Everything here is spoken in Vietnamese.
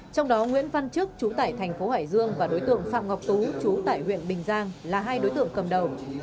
trong đó nguyễn văn chức chú tải thành phố hải dương và đối tượng phạm ngọc tú chú tại huyện bình giang là hai đối tượng cầm đầu